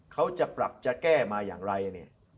เขาจะปรับจะแก้มาอย่างไรเนี่ย